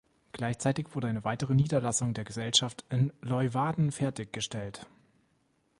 Gleichzeitig wurde eine weitere Niederlassung der Gesellschaft in Leeuwarden fertig gestellt.